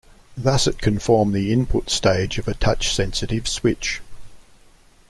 Thus it can form the input stage of a touch-sensitive switch.